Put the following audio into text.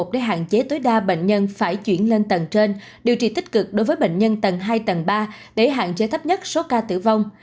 để hạn chế tối đa bệnh nhân phải chuyển lên tầng trên điều trị tích cực đối với bệnh nhân tầng hai tầng ba để hạn chế thấp nhất số ca tử vong